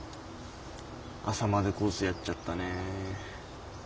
朝までコースやっちゃったね。